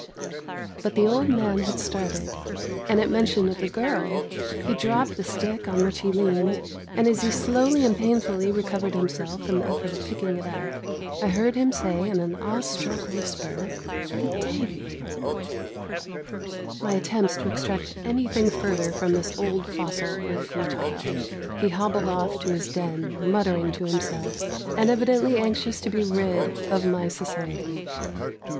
But the old man had started, and at mention of the girl he dropped the stick on which he leaned; and as he slowly and painfully recovered himself from the effort of picking it up, I heard him say, in an awe struck whisper, "The Devi!" My attempts to extract anything further from this old fossil were futile. He hobbled off to his den, muttering to himself, and evidently anxious to be rid of my society.